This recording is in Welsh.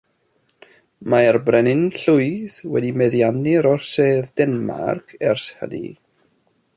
Mae'r breninllwyth wedi meddiannu'r orsedd Denmarc ers hynny.